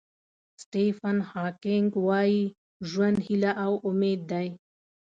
سټیفن هاکینګ وایي ژوند هیله او امید دی.